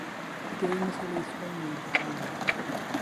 The game was released only in Japan.